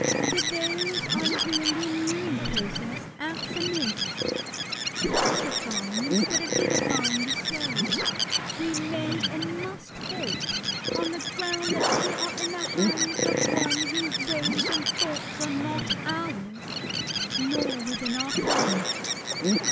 For those on whom the inuring process acts amiss, — petrifying instead of vivifying the soul, we may and must hope, on the ground that they are in the hands of one whose ways and thoughts are not ours, nor within our ken.